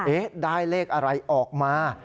ได้เลขอะไรออกมา